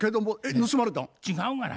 違うがな。